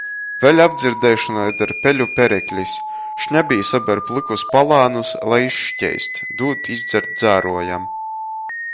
Vēļ apdzirdeišonai der peļu pereklis - šņabī saber plykus palānus, lai izškeist, dūd izdzert dzāruojam.